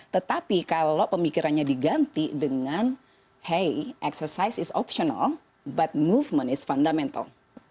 tetapi kalau pemikirannya diganti dengan hey exercise is optional bud movement is fundamental